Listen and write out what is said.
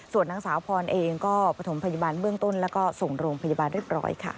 ส่วนนางสาวพรเองก็ประถมพยาบาลเบื้องต้นแล้วก็ส่งโรงพยาบาลเรียบร้อยค่ะ